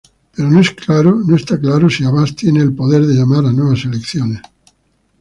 Pero no es claro si Abás tiene el poder de llamar a nuevas elecciones.